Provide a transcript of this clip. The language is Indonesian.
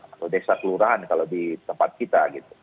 atau desa kelurahan kalau di tempat kita